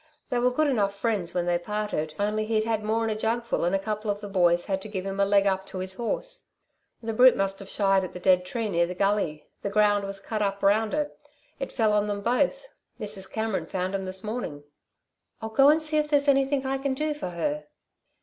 They were good enough friends when they parted only he'd had more'n a jugful, and a couple of the boys had to give him a leg up to his horse. The brute must've shied at the dead tree near the gully, the ground was cut up round it. It fell on them both. Mrs. Cameron found 'm this morning." "I'll go and see if there's anything I can do for her."